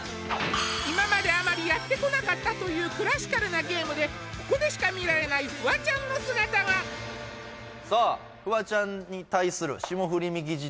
今まであまりやってこなかったというクラシカルなゲームでここでしか見られないフワちゃんの姿がさあフワちゃんに対する霜降りミキ